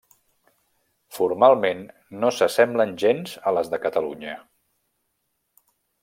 Formalment no s'assemblen gens a les de Catalunya.